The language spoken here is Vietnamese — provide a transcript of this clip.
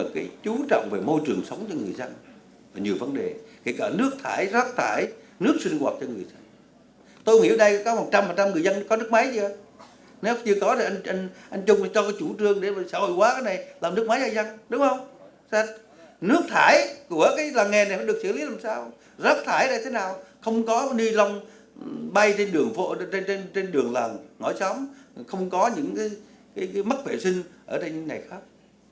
không có ni lông bay trên đường làng ngõ xóm không có những mất vệ sinh ở đây những ngày khác